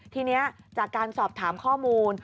ทีนี้จากการสอบถามข้อมูล